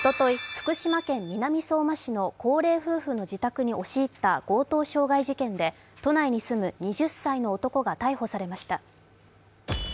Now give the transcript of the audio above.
福島県南相馬市の高齢夫婦の自宅に押し入った強盗傷害事件で都内に住む２０歳の男が逮捕されました。